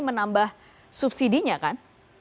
menambah subsidi nya kan